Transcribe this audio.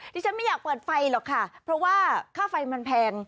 ที่ฉันไม่อยากเปิดไฟหรอกค่ะเพราะว่าค่าไฟมันแพง